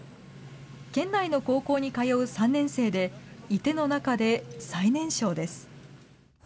県内の高校に通う３年生で、射手の中で最年少です。